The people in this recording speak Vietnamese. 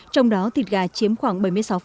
trong đó thịt gà chiếm khoảng bảy mươi sáu